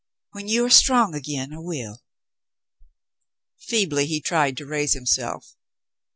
When you are strong again, I will." Feebly he tried to raise himself.